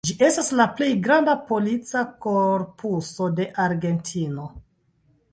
Ĝi estas la plej granda polica korpuso de Argentino.